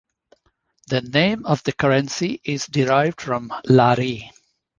The name of the currency is derived from lari.